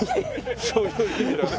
そういう意味ではね。